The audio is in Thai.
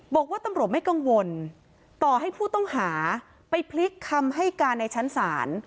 บอกว่าตำรวจไม่กังวลต่อให้ผู้ต้องหาไปพลิกคำให้การในชั้นศาล